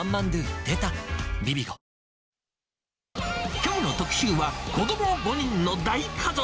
きょうの特集は、子ども５人の大家族。